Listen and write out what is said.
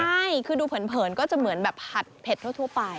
ใช่คือดูเผินก็จะเหมือนแบบผัดเผ็ดทั่วไป